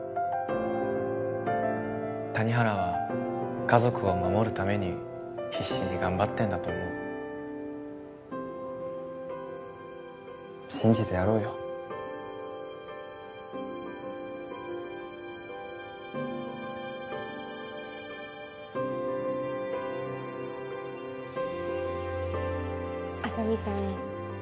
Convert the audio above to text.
谷原は家族を守るために必死に頑張ってんだと思う信じてやろうよ浅見さん